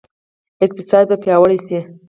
اقتصاد به پیاوړی شي؟